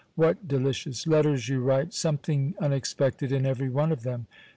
What delicious letters you write, something unexpected in everyone of them!